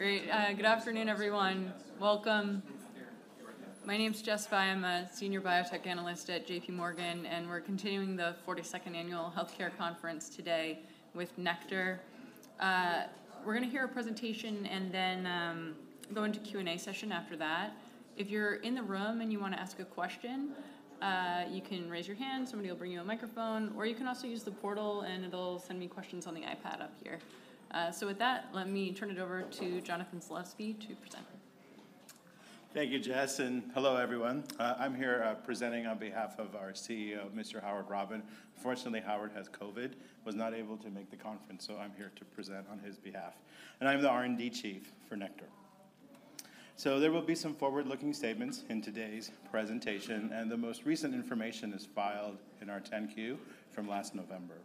Great. Good afternoon, everyone. Welcome. My name is Jessica Fye. I'm a senior biotech analyst at JPMorgan, and we're continuing the 42nd annual Healthcare Conference today with Nektar. We're going to hear a presentation and then go into Q&A session after that. If you're in the room and you want to ask a question, you can raise your hand, somebody will bring you a microphone, or you can also use the portal, and it'll send me questions on the iPad up here. So with that, let me turn it over to Jonathan Zalevsky to present. Thank you, Jess, and hello, everyone. I'm here, presenting on behalf of our CEO, Mr. Howard Robin. Unfortunately, Howard has COVID, was not able to make the conference, so I'm here to present on his behalf, and I'm the R&D chief for Nektar. So there will be some forward-looking statements in today's presentation, and the most recent information is filed in our 10-Q from last November.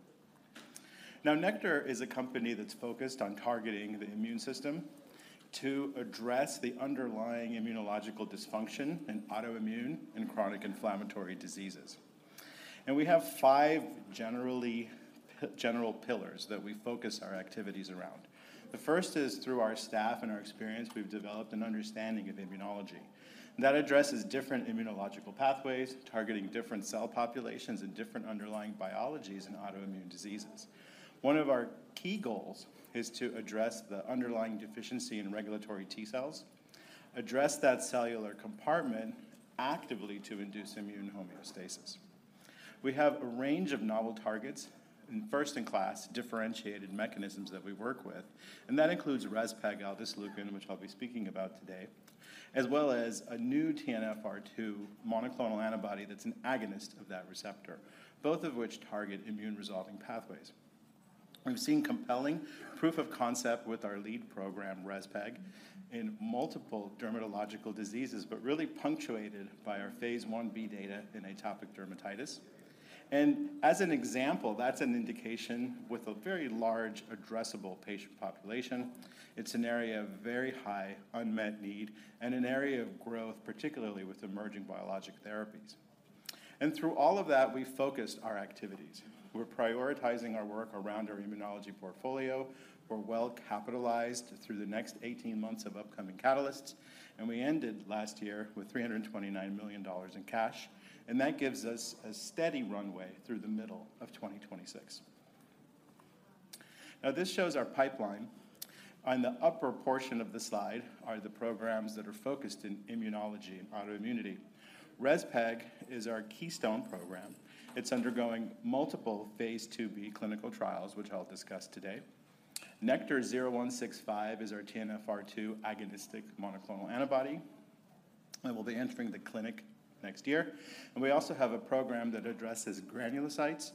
Now, Nektar is a company that's focused on targeting the immune system to address the underlying immunological dysfunction in autoimmune and chronic inflammatory diseases. We have five general pillars that we focus our activities around. The first is through our staff and our experience, we've developed an understanding of immunology, and that addresses different immunological pathways, targeting different cell populations and different underlying biologies in autoimmune diseases. One of our key goals is to address the underlying deficiency in regulatory T cells, address that cellular compartment actively to induce immune homeostasis. We have a range of novel targets and first-in-class differentiated mechanisms that we work with, and that includes rezpegaldesleukin, which I'll be speaking about today, as well as a new TNFR2 monoclonal antibody that's an agonist of that receptor, both of which target immune-resolving pathways. We've seen compelling proof of concept with our lead program, REZPEG, in multiple dermatological diseases, but really punctuated by our phase 1b data in atopic dermatitis. As an example, that's an indication with a very large addressable patient population. It's an area of very high unmet need and an area of growth, particularly with emerging biologic therapies. Through all of that, we focused our activities. We're prioritizing our work around our immunology portfolio. We're well capitalized through the next 18 months of upcoming catalysts, and we ended last year with $329 million in cash, and that gives us a steady runway through the middle of 2026. Now, this shows our pipeline. On the upper portion of the slide are the programs that are focused in immunology and autoimmunity. REZPEG is our keystone program. It's undergoing multiple phase 2b clinical trials, which I'll discuss today. NKTR-0165 is our TNFR2 agonistic monoclonal antibody, and will be entering the clinic next year. And we also have a program that addresses granulocytes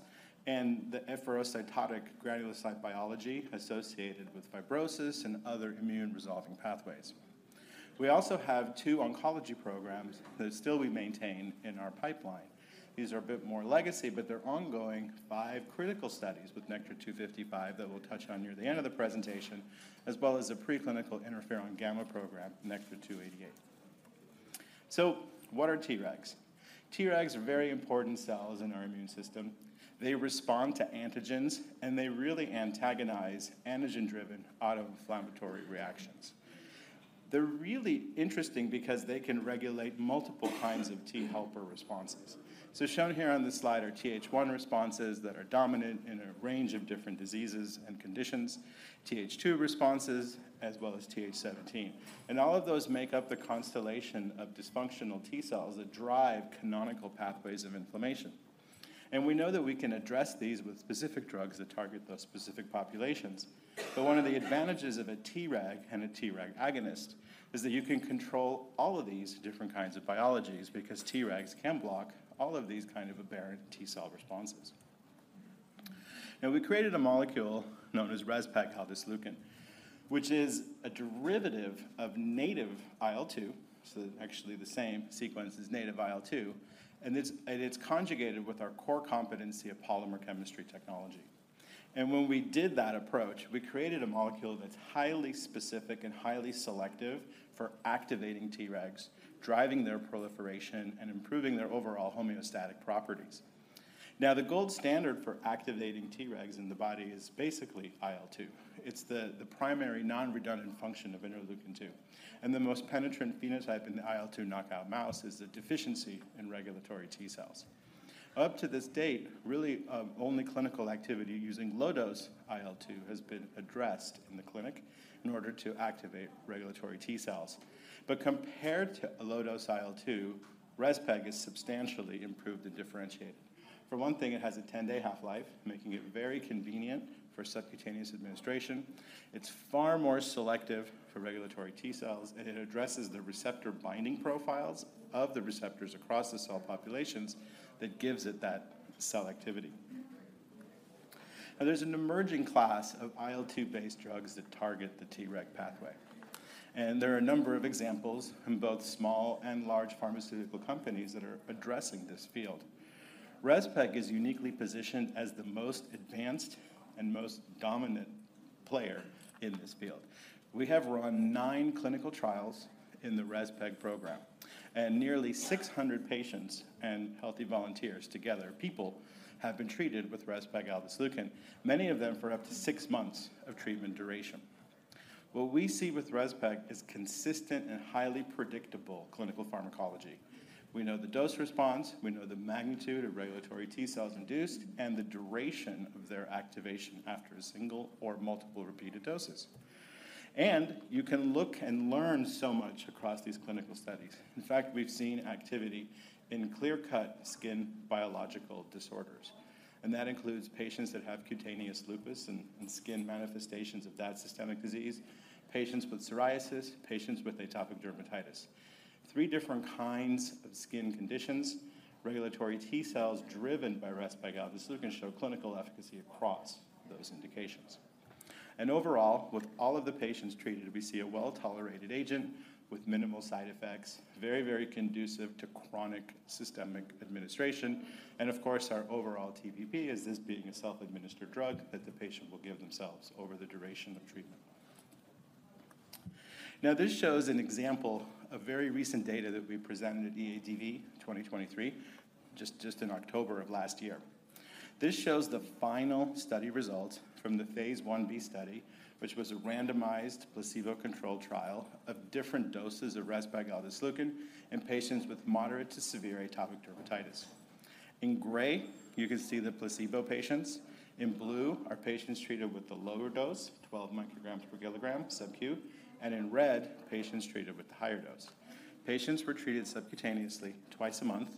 and the efferocytotic granulocyte biology associated with fibrosis and other immune-resolving pathways. We also have 2 oncology programs that still we maintain in our pipeline. These are a bit more legacy, but they're ongoing five critical studies with NKTR-255 that we'll touch on near the end of the presentation, as well as a preclinical interferon-γ program, NKTR-288. So what are Tregs? Tregs are very important cells in our immune system. They respond to antigens, and they really antagonize antigen-driven autoinflammatory reactions. They're really interesting because they can regulate multiple kinds of T helper responses. So shown here on this slide are TH1 responses that are dominant in a range of different diseases and conditions, TH2 responses, as well as TH17. All of those make up the constellation of dysfunctional T cells that drive canonical pathways of inflammation. We know that we can address these with specific drugs that target those specific populations. But one of the advantages of a Treg and a Treg agonist is that you can control all of these different kinds of biologies because Tregs can block all of these kind of aberrant T cell responses. Now, we created a molecule known as rezpegaldesleukin, which is a derivative of native IL-2, so actually the same sequence as native IL-2, and it's, and it's conjugated with our core competency of polymer chemistry technology. And when we did that approach, we created a molecule that's highly specific and highly selective for activating Tregs, driving their proliferation, and improving their overall homeostatic properties. Now, the gold standard for activating Tregs in the body is basically IL-2. It's the, the primary non-redundant function of interleukin-2, and the most penetrant phenotype in the IL-2 knockout mouse is a deficiency in regulatory T cells. Up to this date, really, only clinical activity using low-dose IL-2 has been addressed in the clinic in order to activate regulatory T cells. But compared to a low-dose IL-2, REZPEG is substantially improved and differentiated. For one thing, it has a 10-day half-life, making it very convenient for subcutaneous administration. It's far more selective for regulatory T cells, and it addresses the receptor binding profiles of the receptors across the cell populations that gives it that cell activity. Now, there's an emerging class of IL-2-based drugs that target the Treg pathway, and there are a number of examples from both small and large pharmaceutical companies that are addressing this field. REZPEG is uniquely positioned as the most advanced and most dominant player in this field. We have run nine clinical trials in the REZPEG program. Nearly 600 patients and healthy volunteers together, people have been treated with rezpegaldesleukin, many of them for up to six months of treatment duration. What we see with REZPEG is consistent and highly predictable clinical pharmacology. We know the dose response, we know the magnitude of regulatory T cells induced, and the duration of their activation after a single or multiple repeated doses. You can look and learn so much across these clinical studies. In fact, we've seen activity in clear-cut skin biological disorders, and that includes patients that have cutaneous lupus and skin manifestations of that systemic disease, patients with psoriasis, patients with atopic dermatitis. Three different kinds of skin conditions, regulatory T cells driven by rezpegaldesleukin show clinical efficacy across those indications. Overall, with all of the patients treated, we see a well-tolerated agent with minimal side effects, very, very conducive to chronic systemic administration. Of course, our overall TPP is this being a self-administered drug that the patient will give themselves over the duration of treatment. Now, this shows an example of very recent data that we presented at EADV 2023, just, just in October of last year. This shows the final study results from the phase 1b study, which was a randomized, placebo-controlled trial of different doses of rezpegaldesleukin in patients with moderate to severe atopic dermatitis. In gray, you can see the placebo patients. In blue, are patients treated with the lower dose, 12 micrograms per kilogram sub-Q, and in red, patients treated with the higher dose. Patients were treated subcutaneously twice a month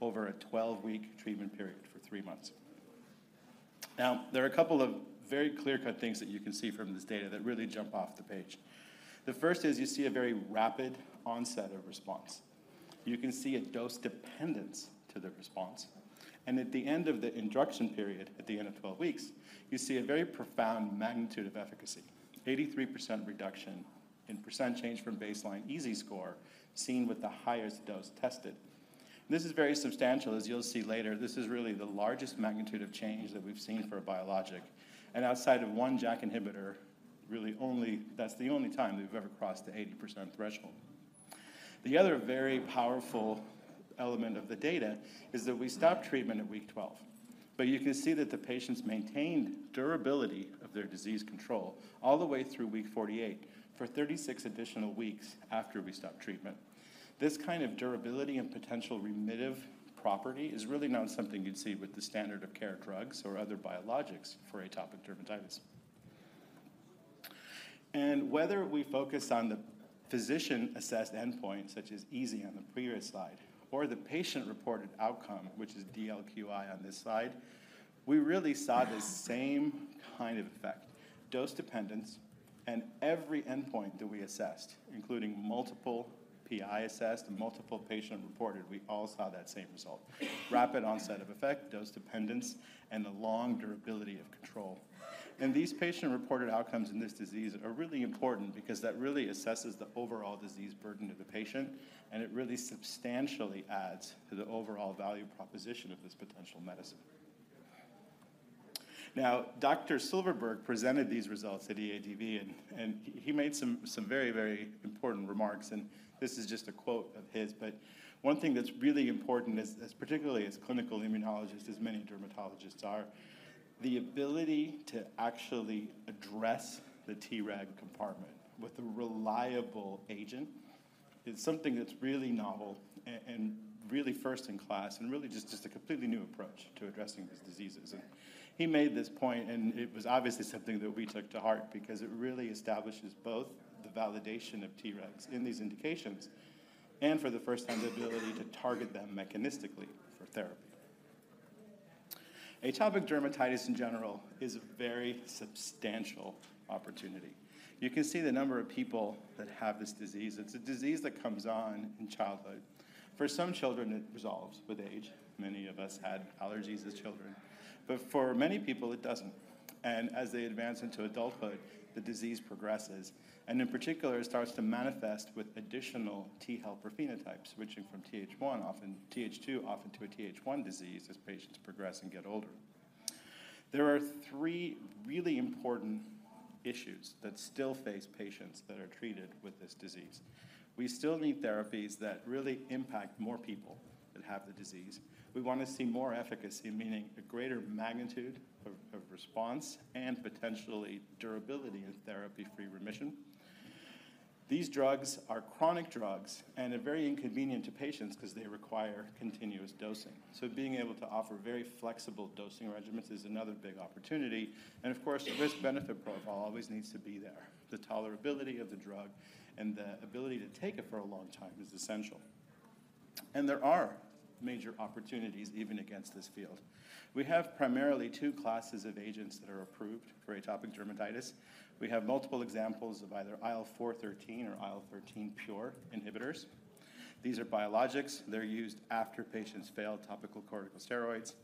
over a 12-week treatment period for three months. Now, there are a couple of very clear-cut things that you can see from this data that really jump off the page. The first is you see a very rapid onset of response. You can see a dose dependence to the response, and at the end of the induction period, at the end of 12 weeks, you see a very profound magnitude of efficacy. 83% reduction in percent change from baseline EASI score seen with the highest dose tested. This is very substantial. As you'll see later, this is really the largest magnitude of change that we've seen for a biologic. And outside of one JAK inhibitor, really only-- that's the only time we've ever crossed the 80% threshold. The other very powerful element of the data is that we stopped treatment at week 12, but you can see that the patients maintained durability of their disease control all the way through week 48, for 36 additional weeks after we stopped treatment. This kind of durability and potential remittive property is really not something you'd see with the standard of care drugs or other biologics for atopic dermatitis. And whether we focus on the physician-assessed endpoint, such as EASI on the previous slide, or the patient-reported outcome, which is DLQI on this slide, we really saw the same kind of effect: dose dependence and every endpoint that we assessed, including multiple PI assessed and multiple patient-reported, we all saw that same result. Rapid onset of effect, dose dependence, and the long durability of control. These patient-reported outcomes in this disease are really important because that really assesses the overall disease burden of the patient, and it really substantially adds to the overall value proposition of this potential medicine. Now, Dr. Silverberg presented these results at EADV, and he made some very important remarks, and this is just a quote of his. But one thing that's really important is particularly as clinical immunologist, as many dermatologists are, the ability to actually address the Treg compartment with a reliable agent is something that's really novel and really first in class, and really just a completely new approach to addressing these diseases. He made this point, and it was obviously something that we took to heart because it really establishes both the validation of Tregs in these indications and for the first time, the ability to target them mechanistically for therapy. Atopic dermatitis in general is a very substantial opportunity. You can see the number of people that have this disease. It's a disease that comes on in childhood. For some children, it resolves with age. Many of us had allergies as children. But for many people, it doesn't, and as they advance into adulthood, the disease progresses, and in particular, it starts to manifest with additional T helper phenotypes, switching from TH1, often TH2, often to a TH1 disease as patients progress and get older. There are three really important issues that still face patients that are treated with this disease. We still need therapies that really impact more people that have the disease. We wanna see more efficacy, meaning a greater magnitude of response and potentially durability in therapy-free remission. These drugs are chronic drugs and are very inconvenient to patients because they require continuous dosing. So being able to offer very flexible dosing regimens is another big opportunity. And of course, the risk-benefit profile always needs to be there. The tolerability of the drug and the ability to take it for a long time is essential. And there are major opportunities even against this field. We have primarily two classes of agents that are approved for atopic dermatitis. We have multiple examples of either IL-4/IL-13 or IL-13 pure inhibitors. These are biologics. They're used after patients fail topical corticosteroids.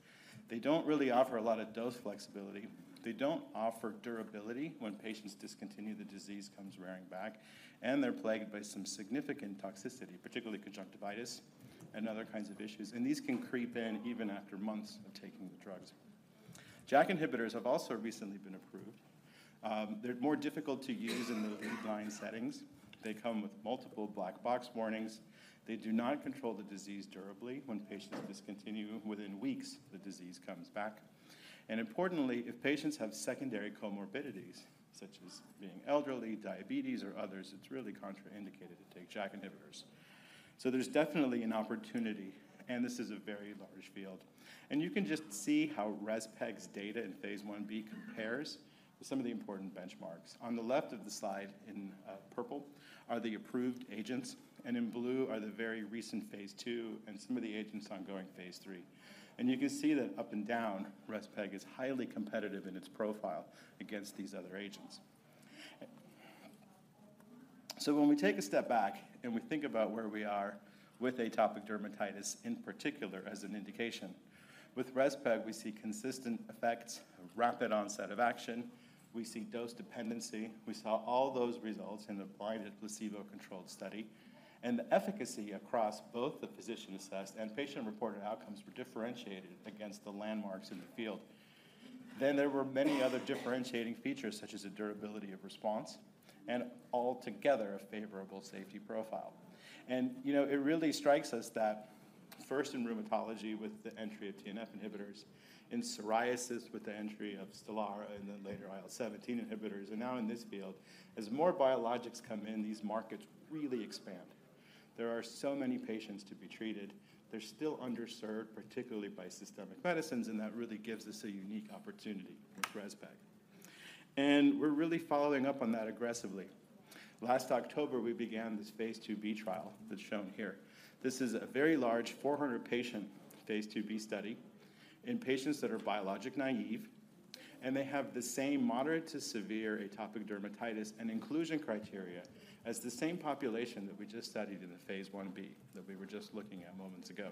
They don't really offer a lot of dose flexibility. They don't offer durability. When patients discontinue, the disease comes rearing back, and they're plagued by some significant toxicity, particularly conjunctivitis and other kinds of issues. And these can creep in even after months of taking the drugs. JAK inhibitors have also recently been approved. They're more difficult to use in the guideline settings. They come with multiple black box warnings. They do not control the disease durably. When patients discontinue, within weeks, the disease comes back. And importantly, if patients have secondary comorbidities, such as being elderly, diabetes, or others, it's really contraindicated to take JAK inhibitors. So there's definitely an opportunity, and this is a very large field. And you can just see how REZPEG's data in phase 1b compares with some of the important benchmarks. On the left of the slide in purple are the approved agents, and in blue are the very recent phase II and some of the agents ongoing phase 3. You can see that up and down, REZPEG is highly competitive in its profile against these other agents. When we take a step back and we think about where we are with atopic dermatitis, in particular, as an indication, with REZPEG, we see consistent effects, a rapid onset of action, we see dose dependency. We saw all those results in a blinded, placebo-controlled study, and the efficacy across both the physician-assessed and patient-reported outcomes were differentiated against the landmarks in the field. There were many other differentiating features, such as the durability of response and altogether a favorable safety profile. You know, it really strikes us that first in rheumatology with the entry of TNF inhibitors, in psoriasis with the entry of Stelara and then later IL-17 inhibitors, and now in this field, as more biologics come in, these markets really expand. There are so many patients to be treated. They're still underserved, particularly by systemic medicines, and that really gives us a unique opportunity with REZPEG. And we're really following up on that aggressively. Last October, we began phase 2b trial that's shown here. This is a very large phase 2b study in patients that are biologic naive, and they have the same moderate to severe atopic dermatitis and inclusion criteria as the same population that we just studied in the phase 1b that we were just looking at moments ago.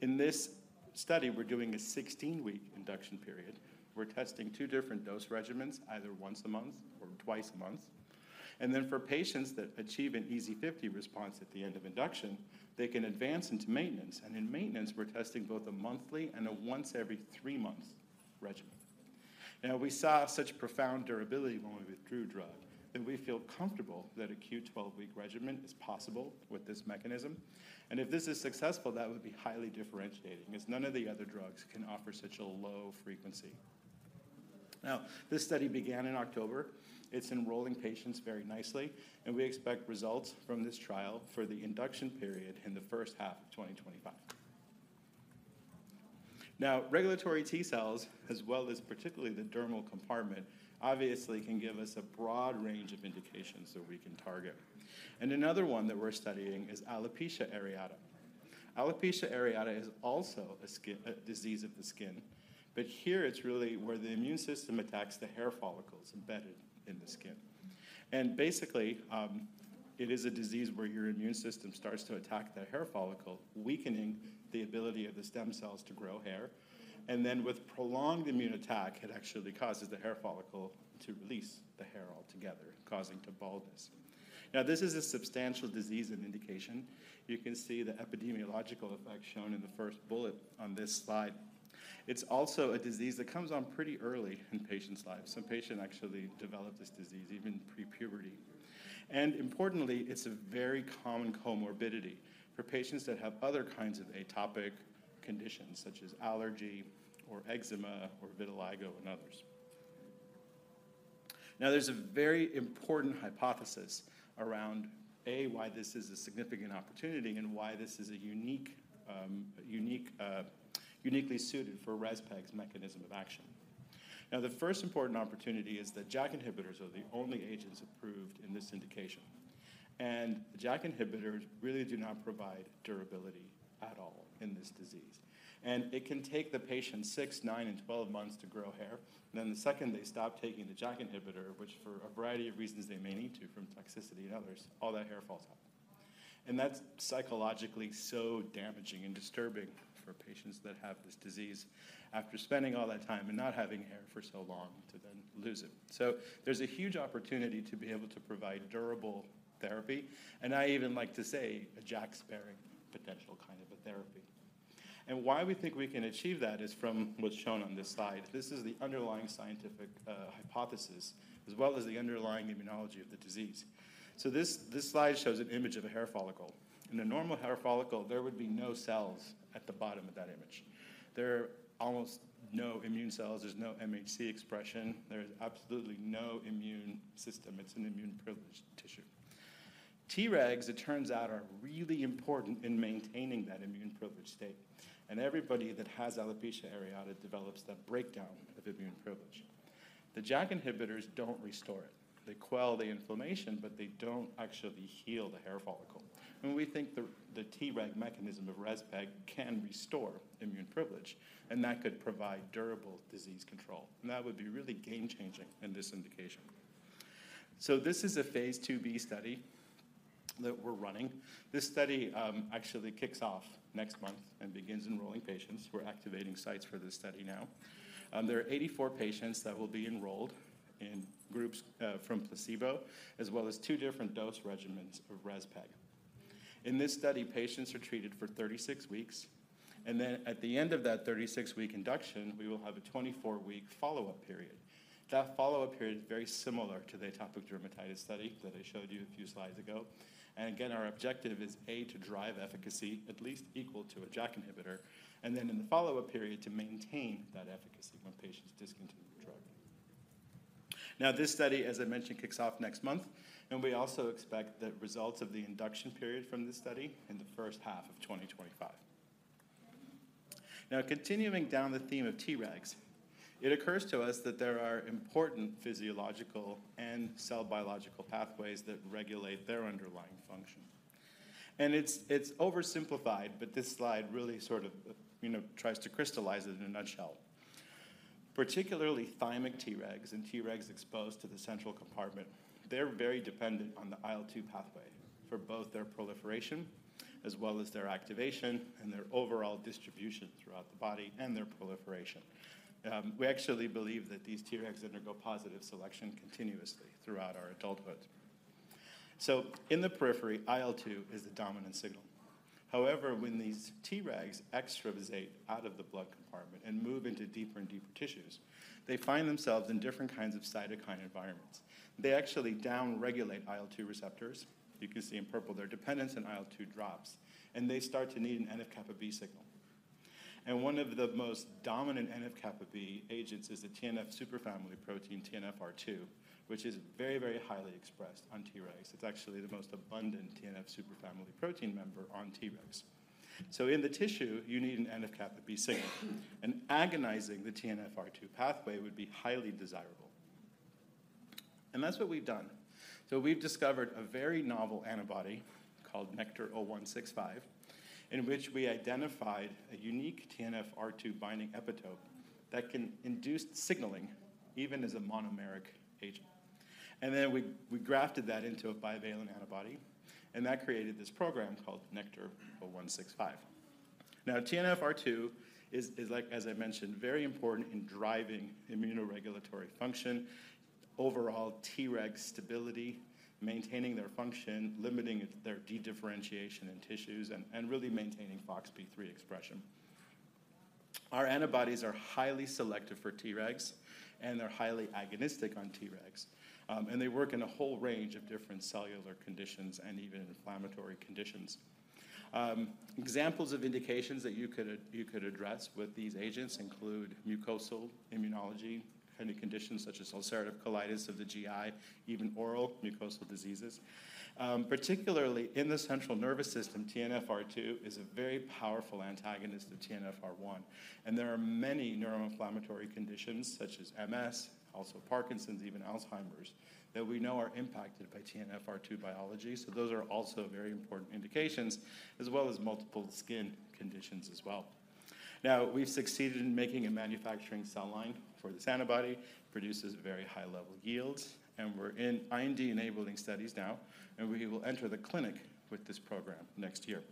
In this study, we're doing a 16-week induction period. We're testing two different dose regimens, either once a month or twice a month. And then for patients that achieve an EASI 50 response at the end of induction, they can advance into maintenance. And in maintenance, we're testing both a monthly and a once every three months regimen. Now, we saw such profound durability when we withdrew drug that we feel comfortable that a Q12-week regimen is possible with this mechanism. And if this is successful, that would be highly differentiating, as none of the other drugs can offer such a low frequency. Now, this study began in October. It's enrolling patients very nicely, and we expect results from this trial for the induction period in the first half of 2025. Now, regulatory T cells, as well as particularly the dermal compartment, obviously can give us a broad range of indications that we can target. Another one that we're studying is alopecia areata. Alopecia areata is also a skin disease of the skin, but here it's really where the immune system attacks the hair follicles embedded in the skin. And basically, it is a disease where your immune system starts to attack that hair follicle, weakening the ability of the stem cells to grow hair. And then with prolonged immune attack, it actually causes the hair follicle to release the hair altogether, causing to baldness. Now, this is a substantial disease and indication. You can see the epidemiological effect shown in the first bullet on this slide. It's also a disease that comes on pretty early in patients' lives. Some patient actually develop this disease even pre-puberty. And importantly, it's a very common comorbidity for patients that have other kinds of atopic conditions, such as allergy or eczema or vitiligo and others. Now, there's a very important hypothesis around why this is a significant opportunity and why this is a uniquely suited for REZPEG's mechanism of action. Now, the first important opportunity is that JAK inhibitors are the only agents approved in this indication. The JAK inhibitors really do not provide durability at all in this disease. It can take the patient six, nine, and 12 months to grow hair. Then the second they stop taking the JAK inhibitor, which for a variety of reasons they may need to, from toxicity and others, all that hair falls out. That's psychologically so damaging and disturbing for patients that have this disease, after spending all that time and not having hair for so long, to then lose it. So there's a huge opportunity to be able to provide durable therapy, and I even like to say a JAK sparing potential kind of a therapy. Why we think we can achieve that is from what's shown on this slide. This is the underlying scientific hypothesis, as well as the underlying immunology of the disease. So this, this slide shows an image of a hair follicle. In a normal hair follicle, there would be no cells at the bottom of that image. There are almost no immune cells. There's no MHC expression. There's absolutely no immune system. It's an immune-privileged tissue. Tregs, it turns out, are really important in maintaining that immune-privileged state, and everybody that has alopecia areata develops that breakdown of immune privilege. The JAK inhibitors don't restore it. They quell the inflammation, but they don't actually heal the hair follicle. We think the Treg mechanism of REZPEG can restore immune privilege, and that could provide durable disease control. That would be really game-changing in this indication. This is phase 2b study that we're running. This study, actually kicks off next month and begins enrolling patients. We're activating sites for this study now. There are 84 patients that will be enrolled in groups from placebo, as well as two different dose regimens of REZPEG. In this study, patients are treated for 36 weeks, and then at the end of that 36-week induction, we will have a 24-week follow-up period. That follow-up period is very similar to the atopic dermatitis study that I showed you a few slides ago. Again, our objective is, A, to drive efficacy at least equal to a JAK inhibitor, and then in the follow-up period, to maintain that efficacy when patients discontinue the drug. Now, this study, as I mentioned, kicks off next month, and we also expect the results of the induction period from this study in the first half of 2025. Now, continuing down the theme of Tregs, it occurs to us that there are important physiological and cell biological pathways that regulate their underlying function. And it's oversimplified, but this slide really sort of, you know, tries to crystallize it in a nutshell. Particularly thymic Tregs and Tregs exposed to the central compartment, they're very dependent on the IL-2 pathway for both their proliferation as well as their activation and their overall distribution throughout the body, and their proliferation. We actually believe that these Tregs undergo positive selection continuously throughout our adulthood. So in the periphery, IL-2 is the dominant signal. However, when these Tregs extravasate out of the blood compartment and move into deeper and deeper tissues, they find themselves in different kinds of cytokine environments. They actually down-regulate IL-2 receptors. You can see in purple, their dependence on IL-2 drops, and they start to need an NF-κB signal. And one of the most dominant NF-κB agents is the TNF superfamily protein, TNFR2, which is very, very highly expressed on Tregs. It's actually the most abundant TNF superfamily protein member on Tregs. So in the tissue, you need an NF-κB signal, and agonizing the TNFR2 pathway would be highly desirable, and that's what we've done. So we've discovered a very novel antibody called NKTR-0165, in which we identified a unique TNFR2 binding epitope that can induce signaling even as a monomeric agent. And then we grafted that into a bivalent antibody, and that created this program called NKTR-0165. Now, TNFR2 is like, as I mentioned, very important in driving immunoregulatory function, overall Treg stability, maintaining their function, limiting their de-differentiation in tissues, and really maintaining FoxP3 expression. Our antibodies are highly selective for Tregs, and they're highly agonistic on Tregs, and they work in a whole range of different cellular conditions and even inflammatory conditions. Examples of indications that you could address with these agents include mucosal immunology, kind of conditions such as ulcerative colitis of the GI, even oral mucosal diseases. Particularly in the central nervous system, TNFR2 is a very powerful antagonist of TNFR1, and there are many neuroinflammatory conditions such as MS, also Parkinson's, even Alzheimer's, that we know are impacted by TNFR2 biology. So those are also very important indications, as well as multiple skin conditions as well. Now, we've succeeded in making a manufacturing cell line for this antibody, produces very high level yields, and we're in IND-enabling studies now, and we will enter the clinic with this program next year.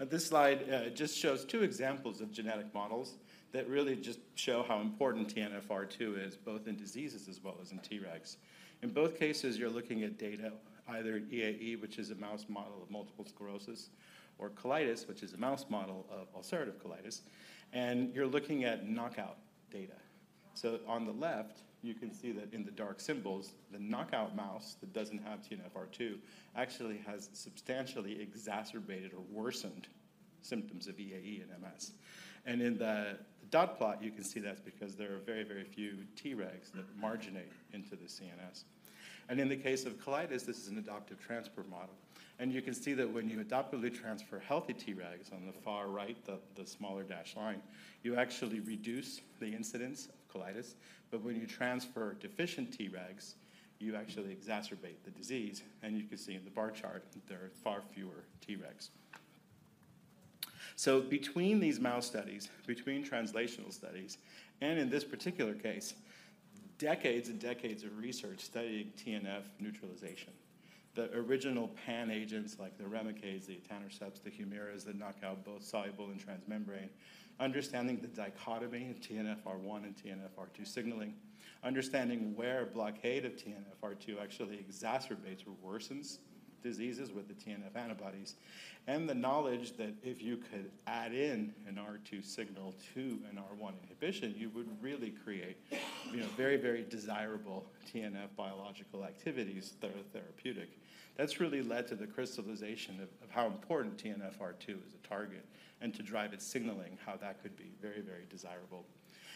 Now, this slide just shows two examples of genetic models that really just show how important TNFR2 is, both in diseases as well as in Tregs. In both cases, you're looking at data, either EAE, which is a mouse model of multiple sclerosis, or colitis, which is a mouse model of ulcerative colitis, and you're looking at knockout data. On the left, you can see that in the dark symbols, the knockout mouse that doesn't have TNFR2 actually has substantially exacerbated or worsened symptoms of EAE and MS. In the dot plot, you can see that's because there are very, very few Tregs that marginate into the CNS. In the case of colitis, this is an adoptive transfer model, and you can see that when you adoptively transfer healthy Tregs on the far right, the smaller dashed line, you actually reduce the incidence of colitis, but when you transfer deficient Tregs, you actually exacerbate the disease. You can see in the bar chart that there are far fewer Tregs. So between these mouse studies, between translational studies, and in this particular case, decades and decades of research studying TNF neutralization, the original pan agents like the Remicades, the etanercepts, the Humiras that knock out both soluble and transmembrane, understanding the dichotomy of TNFR1 and TNFR2 signaling, understanding where blockade of TNFR2 actually exacerbates or worsens diseases with the TNF antibodies, and the knowledge that if you could add in an R2 signal to an R1 inhibition, you would really create, you know, very, very desirable TNF biological activities that are therapeutic. That's really led to the crystallization of how important TNFR2 is a target, and to drive its signaling, how that could be very, very desirable.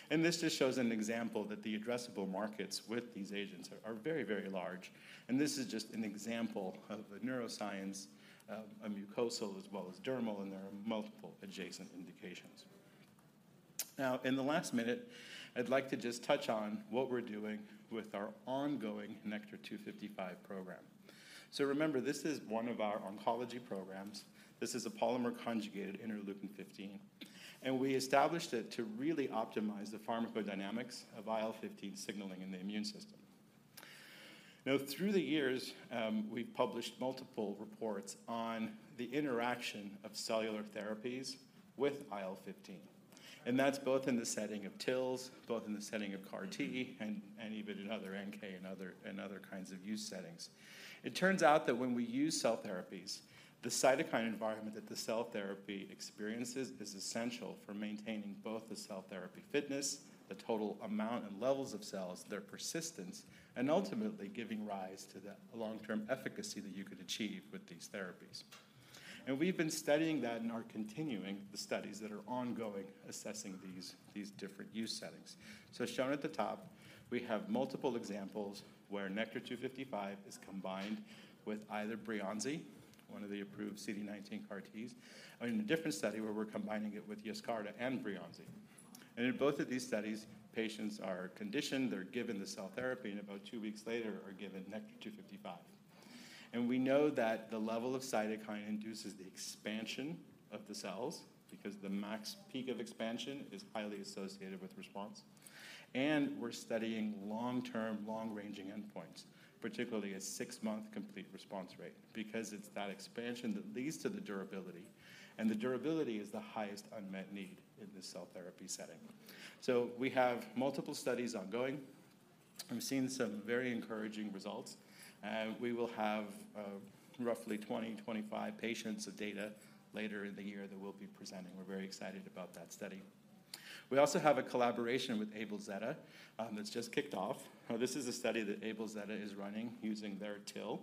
This just shows an example that the addressable markets with these agents are very, very large. This is just an example of a neuroscience, a mucosal as well as dermal, and there are multiple adjacent indications. Now, in the last minute, I'd like to just touch on what we're doing with our ongoing NKTR-255 program. So remember, this is one of our oncology programs. This is a polymer-conjugated interleukin-15, and we established it to really optimize the pharmacodynamics of IL-15 signaling in the immune system. Now, through the years, we've published multiple reports on the interaction of cellular therapies with IL-15. And that's both in the setting of TILs, both in the setting of CAR-T, and even in other NK and other, and other kinds of use settings. It turns out that when we use cell therapies, the cytokine environment that the cell therapy experiences is essential for maintaining both the cell therapy fitness, the total amount and levels of cells, their persistence, and ultimately giving rise to the long-term efficacy that you could achieve with these therapies. And we've been studying that and are continuing the studies that are ongoing, assessing these different use settings. So as shown at the top, we have multiple examples where NKTR-255 is combined with either Breyanzi, one of the approved CD19 CAR-Ts, or in a different study, where we're combining it with Yescarta and Breyanzi. And in both of these studies, patients are conditioned, they're given the cell therapy, and about two weeks later, are given NKTR-255. We know that the level of cytokine induces the expansion of the cells, because the max peak of expansion is highly associated with response. We're studying long-term, long-ranging endpoints, particularly a six-month complete response rate, because it's that expansion that leads to the durability, and the durability is the highest unmet need in the cell therapy setting. We have multiple studies ongoing, and we've seen some very encouraging results. We will have roughly 20-25 patients of data later in the year that we'll be presenting. We're very excited about that study. We also have a collaboration with AbelZeta that's just kicked off. This is a study that AbelZeta is running using their TIL,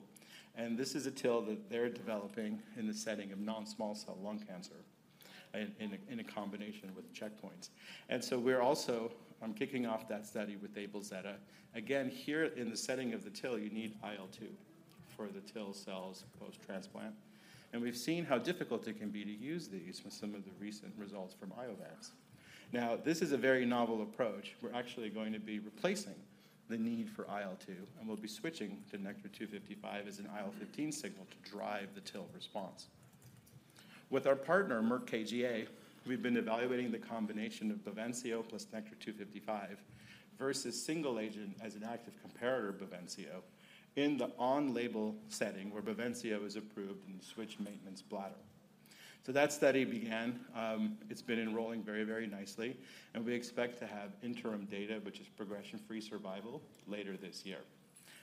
and this is a TIL that they're developing in the setting of non-small cell lung cancer in a combination with checkpoints. And so we're also kicking off that study with AbelZeta. Again, here in the setting of the TIL, you need IL-2 for the TIL cells post-transplant. And we've seen how difficult it can be to use these with some of the recent results from Iovance. Now, this is a very novel approach. We're actually going to be replacing the need for IL-2, and we'll be switching to NKTR-255 as an IL-15 signal to drive the TIL response. With our partner, Merck KGaA, we've been evaluating the combination of BAVENCIO plus NKTR-255 versus single agent as an active comparator BAVENCIO, in the on-label setting where BAVENCIO is approved in the switch maintenance bladder. So that study began, it's been enrolling very, very nicely, and we expect to have interim data, which is progression-free survival, later this year.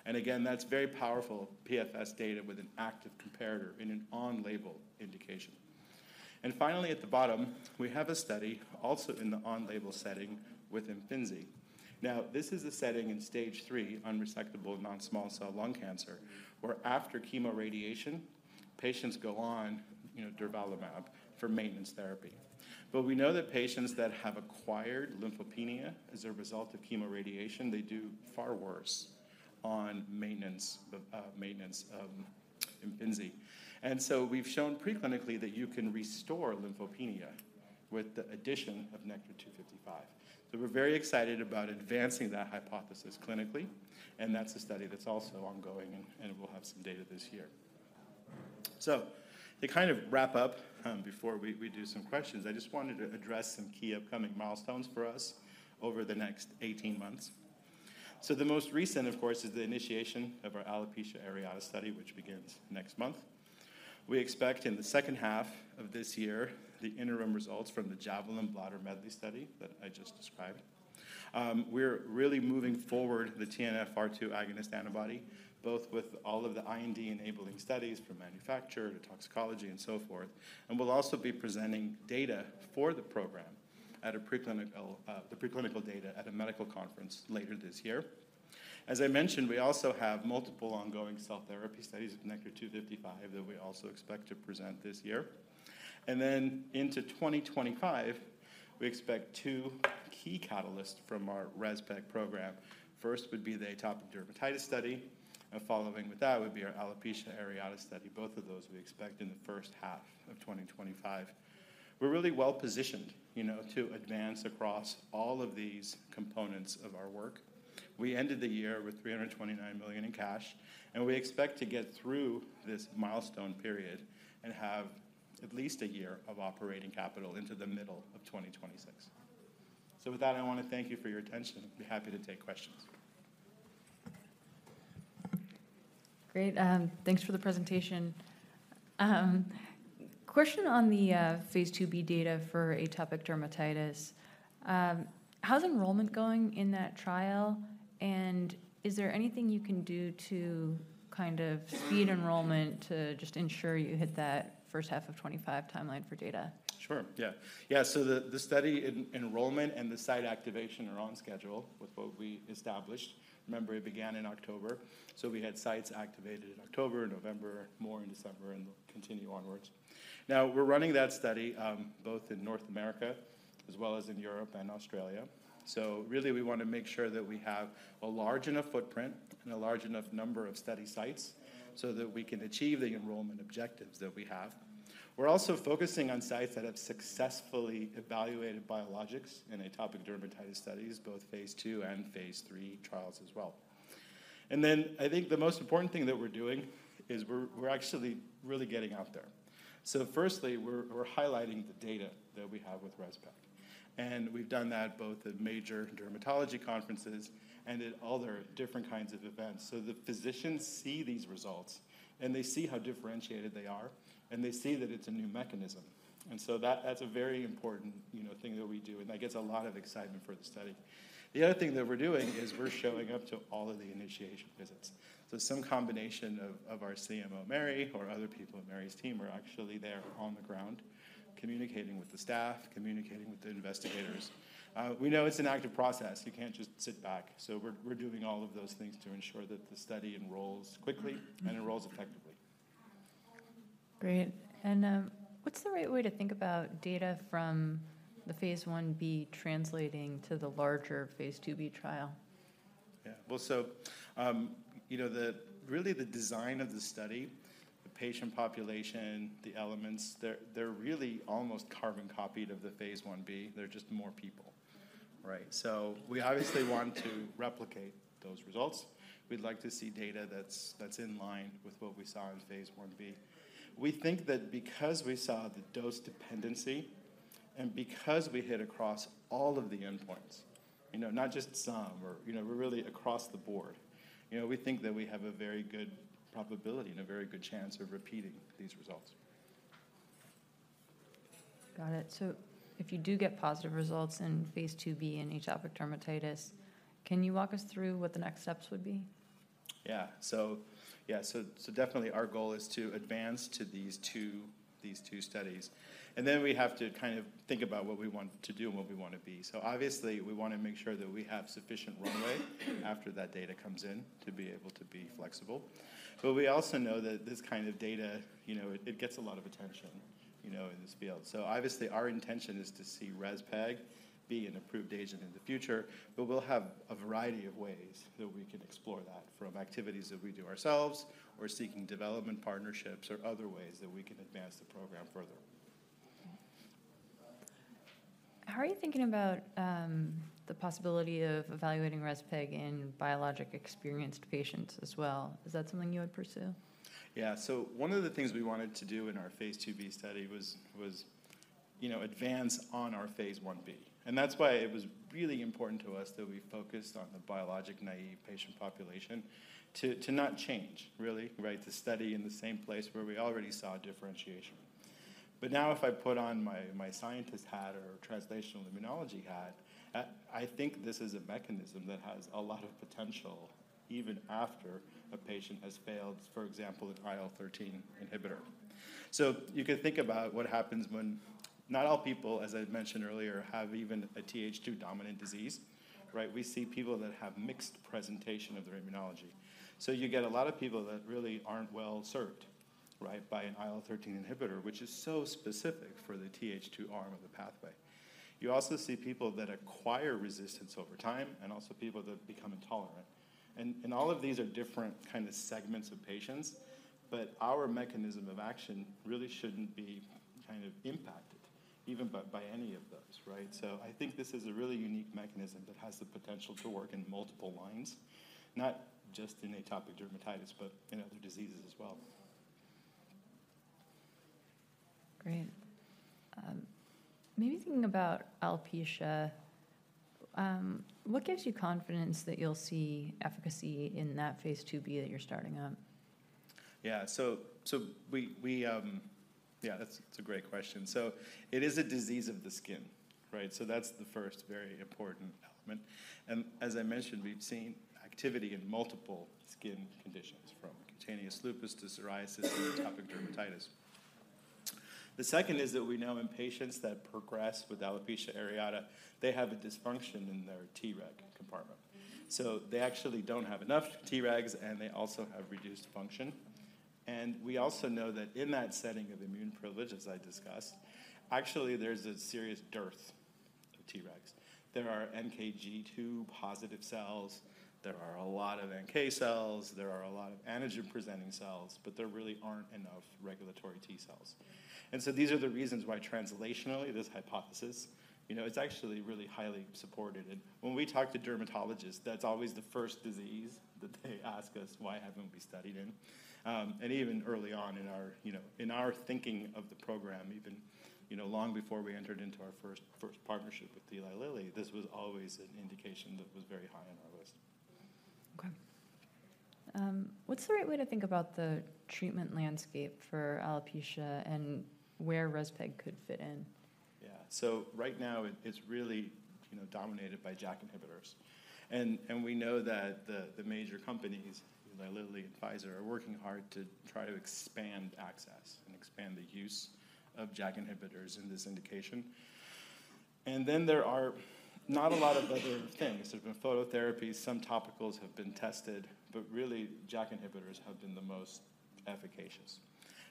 Again, that's very powerful PFS data with an active comparator in an on-label indication. Finally, at the bottom, we have a study also in the on-label setting with Imfinzi. Now, this is a setting in Stage III unresectable non-small cell lung cancer, where after chemoradiation, patients go on, you know, durvalumab for maintenance therapy. But we know that patients that have acquired lymphopenia as a result of chemoradiation, they do far worse on maintenance, maintenance of Imfinzi. And so we've shown preclinically that you can restore lymphopenia with the addition of NKTR-255. So we're very excited about advancing that hypothesis clinically, and that's a study that's also ongoing, and we'll have some data this year. So to kind of wrap up, before we do some questions, I just wanted to address some key upcoming milestones for us over the next 18 months. So the most recent, of course, is the initiation of our alopecia areata study, which begins next month. We expect in the second half of this year, the interim results from the JAVELIN Bladder Medley study that I just described. We're really moving forward the TNFR2 agonist antibody, both with all of the IND-enabling studies from manufacturer to toxicology and so forth, and we'll also be presenting data for the program at a preclinical data at a medical conference later this year. As I mentioned, we also have multiple ongoing cell therapy studies with NKTR-255 that we also expect to present this year. And then into 2025, we expect two key catalysts from our REZPEG program. First would be the atopic dermatitis study, and following with that would be our alopecia areata study. Both of those we expect in the first half of 2025. We're really well-positioned, you know, to advance across all of these components of our work. We ended the year with $329 million in cash, and we expect to get through this milestone period and have at least a year of operating capital into the middle of 2026. So with that, I wanna thank you for your attention. I'd be happy to take questions. Great. Thanks for the presentation. Question on phase 2b data for atopic dermatitis. How's enrollment going in that trial, and is there anything you can do to kind of speed enrollment to just ensure you hit that first half of 2025 timeline for data? Sure, yeah. Yeah, so the study enrollment and the site activation are on schedule with what we established. Remember, it began in October, so we had sites activated in October, November, more in December, and continue onwards. Now, we're running that study both in North America as well as in Europe and Australia. So really, we wanna make sure that we have a large enough footprint and a large enough number of study sites so that we can achieve the enrollment objectives that we have. We're also focusing on sites that have successfully evaluated biologics in atopic dermatitis studies, both phase II and phase 3 trials as well. Then I think the most important thing that we're doing is we're actually really getting out there. So firstly, we're highlighting the data that we have with rezpegaldesleukin, and we've done that both at major dermatology conferences and at other different kinds of events. So the physicians see these results, and they see how differentiated they are, and they see that it's a new mechanism. And so that, that's a very important, you know, thing that we do, and that gets a lot of excitement for the study. The other thing that we're doing is we're showing up to all of the initiation visits. So some combination of our CMO, Mary, or other people on Mary's team, are actually there on the ground, communicating with the staff, communicating with the investigators. We know it's an active process. You can't just sit back, so we're doing all of those things to ensure that the study enrolls quickly and enrolls effectively. Great. And, what's the right way to think about data from the phase 1b translating to the phase 2b trial? Yeah. Well, so, you know, the really, the design of the study, the patient population, the elements, they're, they're really almost carbon copied of the phase 1b, they're just more people, right? So we obviously want to replicate those results. We'd like to see data that's, that's in line with what we saw in phase 1b. We think that because we saw the dose dependency and because we hit across all of the endpoints, you know, not just some or, you know, we're really across the board. You know, we think that we have a very good probability and a very good chance of repeating these results. Got it. So if you do get positive results phase 2b in atopic dermatitis, can you walk us through what the next steps would be? Yeah. So, yeah, definitely, our goal is to advance to these two studies, and then we have to kind of think about what we want to do and what we want to be. So obviously, we wanna make sure that we have sufficient runway after that data comes in, to be able to be flexible. But we also know that this kind of data, you know, it gets a lot of attention, you know, in this field. So obviously, our intention is to see REZPEG be an approved agent in the future, but we'll have a variety of ways that we can explore that, from activities that we do ourselves or seeking development partnerships or other ways that we can advance the program further. How are you thinking about the possibility of evaluating REZPEG in biologic-experienced patients as well? Is that something you would pursue? Yeah. So one of the things we wanted to do in phase 2b study was, you know, advance on our phase 1b. And that's why it was really important to us that we focused on the biologic-naive patient population, to not change, really, right? To study in the same place where we already saw differentiation. But now, if I put on my scientist hat or translational immunology hat, I think this is a mechanism that has a lot of potential even after a patient has failed, for example, an IL-13 inhibitor. So you can think about what happens when—not all people, as I'd mentioned earlier, have even a Th2 dominant disease, right? We see people that have mixed presentation of their immunology. So you get a lot of people that really aren't well-served, right, by an IL-13 inhibitor, which is so specific for the TH2 arm of the pathway. You also see people that acquire resistance over time and also people that become intolerant. And all of these are different kind of segments of patients, but our mechanism of action really shouldn't be kind of impacted, even by any of those, right? So I think this is a really unique mechanism that has the potential to work in multiple lines, not just in atopic dermatitis, but in other diseases as well. Great. Maybe thinking about alopecia, what gives you confidence that you'll see efficacy in phase 2b that you're starting up? Yeah. So we, yeah, that's a great question. So it is a disease of the skin, right? So that's the first very important element. And as I mentioned, we've seen activity in multiple skin conditions, from cutaneous lupus to psoriasis, atopic dermatitis. The second is that we know in patients that progress with alopecia areata, they have a dysfunction in their Treg compartment. So they actually don't have enough Tregs, and they also have reduced function. We also know that in that setting of immune privilege, as I discussed, actually, there's a serious dearth of Tregs. There are NKG2+ cells, there are a lot of NK cells, there are a lot of antigen-presenting cells, but there really aren't enough regulatory T cells. So these are the reasons why translationally, this hypothesis, you know, it's actually really highly supported. And when we talk to dermatologists, that's always the first disease that they ask us, why haven't we studied in? And even early on in our, you know, in our thinking of the program, even, you know, long before we entered into our first partnership with Eli Lilly, this was always an indication that was very high on our list. Okay. What's the right way to think about the treatment landscape for alopecia and where REZPEG could fit in? Yeah. So right now, it's really, you know, dominated by JAK inhibitors. And we know that the major companies, Eli Lilly and Pfizer, are working hard to try to expand access and expand the use of JAK inhibitors in this indication. And then there are not a lot of other things. There's been phototherapy, some topicals have been tested, but really, JAK inhibitors have been the most efficacious.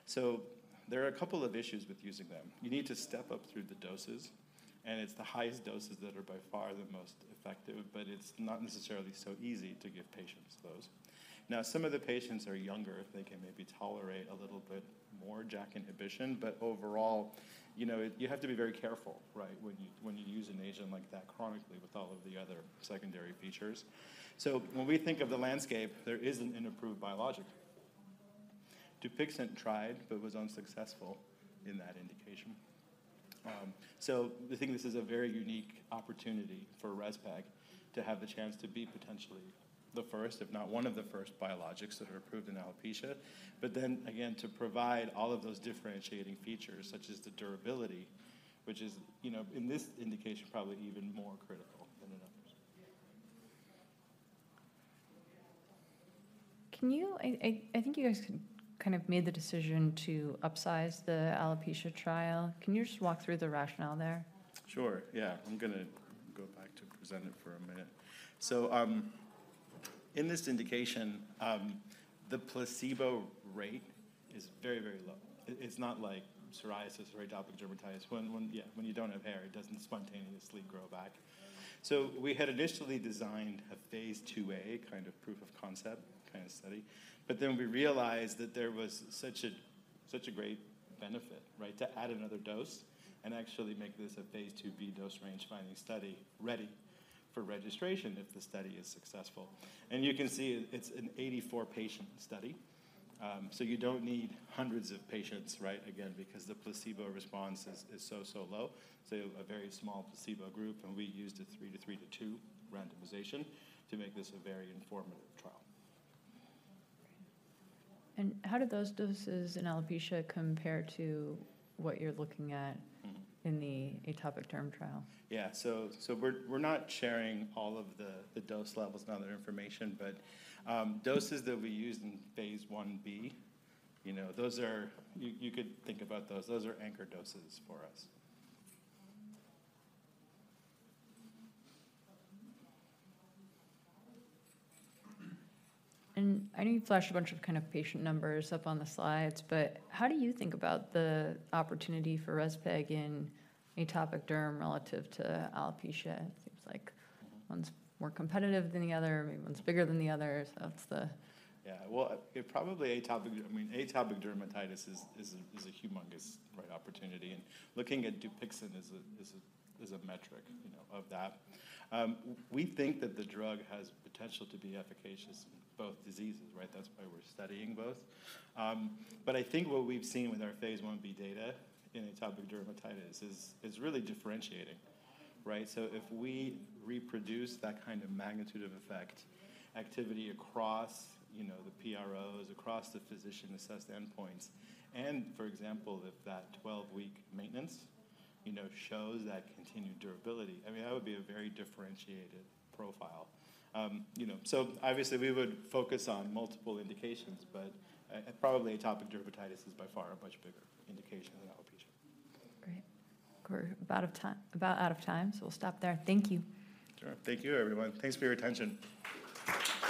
So there are a couple of issues with using them. You need to step up through the doses, and it's the highest doses that are by far the most effective, but it's not necessarily so easy to give patients those. Now, some of the patients are younger, they can maybe tolerate a little bit more JAK inhibition, but overall, you know, you have to be very careful, right, when you, when you use an agent like that chronically with all of the other secondary features. So when we think of the landscape, there isn't an approved biologic. Dupixent tried but was unsuccessful in that indication. So we think this is a very unique opportunity for REZPEG to have the chance to be potentially the first, if not one of the first biologics that are approved in alopecia. But then again, to provide all of those differentiating features, such as the durability, which is, you know, in this indication, probably even more critical than in others. I think you guys kind of made the decision to upsize the alopecia trial. Can you just walk through the rationale there? Sure, yeah. I'm gonna go back to present it for a minute. So, in this indication, the placebo rate is very, very low. It's not like psoriasis or atopic dermatitis, when you don't have hair, it doesn't spontaneously grow back. So we had initially designed a phase 2a kind of proof of concept kind of study, but then we realized that there was such a great benefit, right, to add another dose and actually make this a phase 2b dose range-finding study, ready for registration if the study is successful. And you can see it's an 84-patient study, so you don't need hundreds of patients, right? Again, because the placebo response is so low. So a very small placebo group, and we used a 3 to 3 to 2 randomization to make this a very informative trial. How do those doses in alopecia compare to what you're looking at in the atopic derm trial? Yeah. So we're not sharing all of the dose levels and other information, but doses that we used in phase 1b, you know, those are. You could think about those. Those are anchor doses for us. I know you flashed a bunch of kind of patient numbers up on the slides, but how do you think about the opportunity for REZPEG in atopic derm relative to alopecia? It seems like one's more competitive than the other, maybe one's bigger than the other. So that's the. Yeah. Well, it probably, I mean, atopic dermatitis is a humongous, right, opportunity, and looking at Dupixent is a metric, you know, of that. We think that the drug has potential to be efficacious in both diseases, right? That's why we're studying both. But I think what we've seen with our phase 1b data in atopic dermatitis is really differentiating, right? So if we reproduce that kind of magnitude of effect, activity across, you know, the PROs, across the physician-assessed endpoints, and for example, if that 12-week maintenance, you know, shows that continued durability, I mean, that would be a very differentiated profile. You know, so obviously, we would focus on multiple indications, but probably atopic dermatitis is by far a much bigger indication than alopecia. Great. We're about out of time, so we'll stop there. Thank you. Sure. Thank you, everyone. Thanks for your attention.